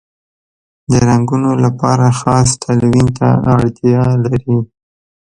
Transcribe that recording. د رنګولو لپاره خاص تلوین ته اړتیا لري.